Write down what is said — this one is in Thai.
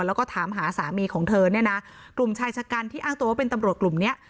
แล้วก็ถามหาสามีของเธอเนี่ยนะกลุ่มชายชะกันที่อ้างตัวว่าเป็นตำรวจกลุ่มเนี้ย